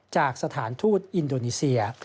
จากสถานทูตอินโดนีเซีย